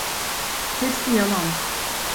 Hepsi yalan.